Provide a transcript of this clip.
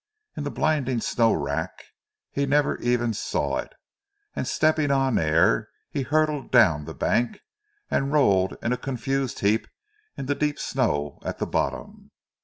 In the blinding snow wrack he never even saw it, and stepping on air, he hurtled down the bank, and rolled in a confused heap in the deep snow at the bottom.